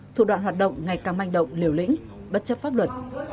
thủ đoạn hoạt động ngày càng manh động liều lĩnh bất chấp pháp luật